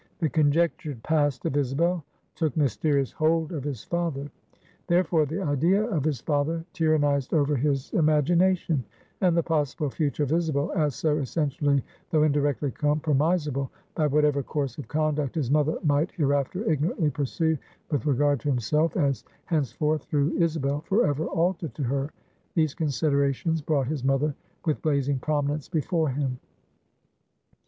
The conjectured past of Isabel took mysterious hold of his father; therefore, the idea of his father tyrannized over his imagination; and the possible future of Isabel, as so essentially though indirectly compromisable by whatever course of conduct his mother might hereafter ignorantly pursue with regard to himself, as henceforth, through Isabel, forever altered to her; these considerations brought his mother with blazing prominence before him.